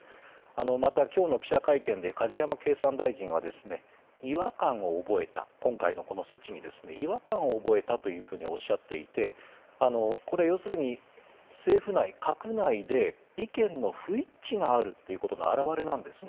また、今日の記者会見で梶山経産大臣は今回の措置に違和感を覚えたとおっしゃっていてこれ、要するに政府内、閣内で意見の不一致があるということの表れなんです。